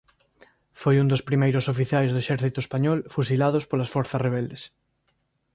Foi un dos primeiros oficiais do exército español fusilados polas forzas rebeldes.